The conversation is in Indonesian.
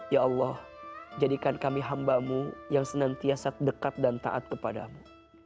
ya allah jadikan kami hambamu yang senantiasa dekat dan taat kepadamu